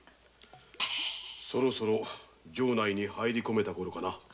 そろそろご城内に入りこめたころかな。